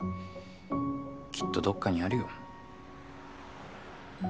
きっとどっかにあるよ。